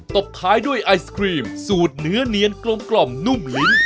บท้ายด้วยไอศครีมสูตรเนื้อเนียนกลมนุ่มลิ้น